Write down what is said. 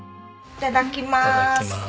いただきます。